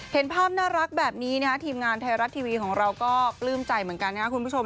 เห็นภาพน่ารักแบบนี้นะฮะทีมงานไทยรัฐทีวีของเราก็ปลื้มใจเหมือนกันนะครับคุณผู้ชม